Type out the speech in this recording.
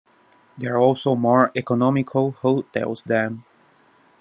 There are also more economical hotels there.